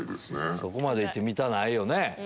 そこまで行って見たくないよね。